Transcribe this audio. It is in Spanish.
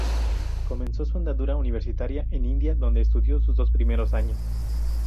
Comenzó su andadura universitaria en Indiana, donde estudió sus dos primeros años.